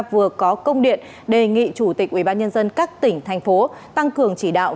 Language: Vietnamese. vừa có công điện đề nghị chủ tịch ubnd các tỉnh thành phố tăng cường chỉ đạo